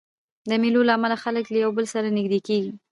د مېلو له امله خلک له یو بل سره نږدې کېږي.